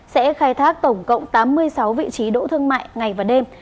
sẽ khai thác tổng cộng tám mươi sáu vị trí đỗ thương mại ngày và đêm